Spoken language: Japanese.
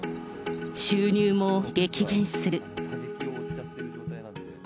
収入も激減する。